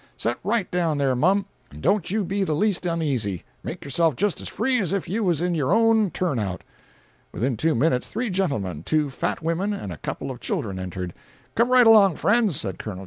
Set right down there, mum, and don't you be the least uneasy. Make yourself just as free as if you was in your own turn out." Within two minutes, three gentlemen, two fat women, and a couple of children, entered. "Come right along, friends," said Col.